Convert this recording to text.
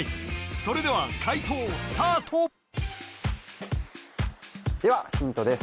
それでは解答スタートではヒントです